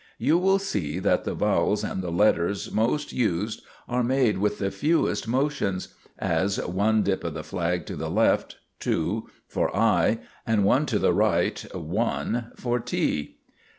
You will see that the vowels and the letters most used are made with the fewest motions as, one dip of the flag to the left (2) for I, and one to the right (1) for T.